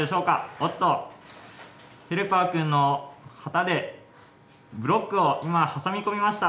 おっとヘルパーくんの旗でブロックを今挟み込みました。